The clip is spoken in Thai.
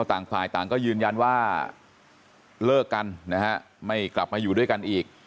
ต่างฝ่ายต่างก็ยืนยันว่าเลิกกันนะฮะไม่กลับมาอยู่ด้วยกันอีก